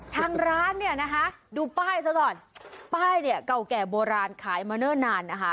ทางร้านดูป้ายซะก่อนป้ายเก่าแก่โบราณขายมาเนิ่นนาน